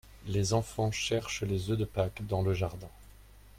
Les enfants cherchent les œufs de Pâques dans le jardin.